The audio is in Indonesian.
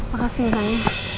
makasih ya sayang